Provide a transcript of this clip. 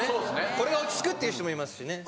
これが落ち着くっていう人もいますしね。